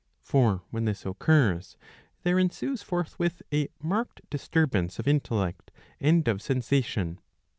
For when this occurs there ensueS forthwith a marked disturbance of intellect and of sensation.